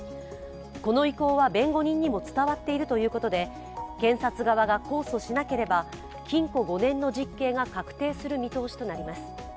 この意向は、弁護人にも伝わっているということで検察側が控訴しなければ禁錮５年の実刑が確定する見通しとなります。